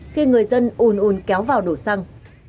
khi người dân ồn ồn kéo vào đổ xăng